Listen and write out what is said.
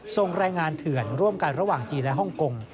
ส่งรายงานเถื่อนร่วมกันระหว่างจีนและฮ่องกง